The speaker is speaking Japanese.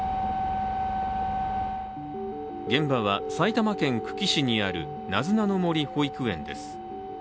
現場は、埼玉県久喜市にあるなずなの森保育園です。